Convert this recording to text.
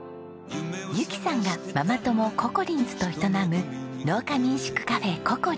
ゆきさんがママ友ココリンズと営む農家民宿カフェｃｏｃｏ−Ｒｉｎ。